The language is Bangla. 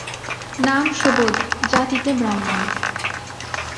নাম সুবোধ, জাতিতে ব্রাহ্মণ।